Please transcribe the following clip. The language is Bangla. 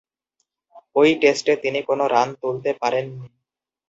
ঐ টেস্টে তিনি কোন রান তুলতে পারেননি।